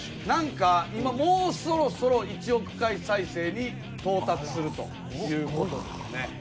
なんか今もうそろそろ１億回再生に到達するという事ですね。